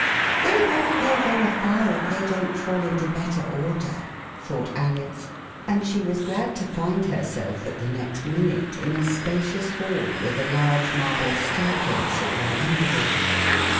They won*t go very far if they don't fall into better order,'* thought Alice, and she was glad to find herself the next minute in a spacious hall with a large marble staircase at one end of it.